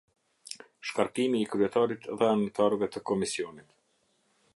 Shkarkimi i Kryetarit dhe Anëtarëve të Komisionit.